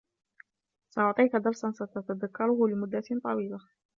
سأعطيك درسا ستتذكره لمدة طويلة.